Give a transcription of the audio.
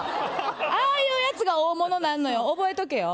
ああいうやつが大物になるのよ覚えておけよ。